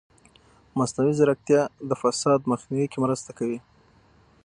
مصنوعي ځیرکتیا د فساد مخنیوي کې مرسته کوي.